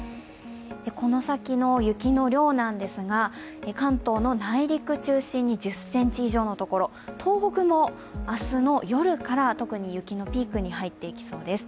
この先の雪の量なんですが関東の内陸中心に１０ｃｍ以上のところ、東北も明日の夜から特に雪のピークに入っていきそうです。